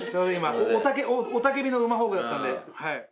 雄たけびのうまホークだったんで。